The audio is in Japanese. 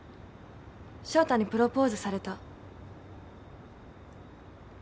翔太にプロポーズされた。